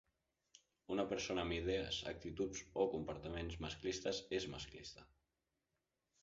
Una persona amb idees, actituds o comportaments masclistes és masclista.